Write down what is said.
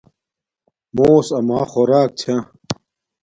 موس اما خوراک چھا